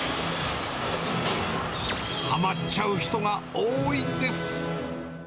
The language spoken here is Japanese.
はまっちゃう人が多いんです。